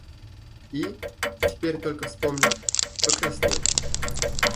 И, теперь только вспомнив, покраснел.